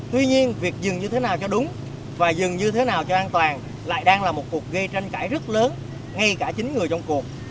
tuy nhiên việc dừng như thế nào cho đúng và dừng như thế nào cho an toàn lại đang là một cuộc gây tranh cãi rất lớn ngay cả chính người trong cuộc